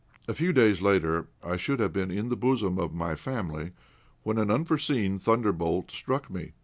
A few days later I should have been in the bosom of my family, when an unforeseen thunderbolt struck me.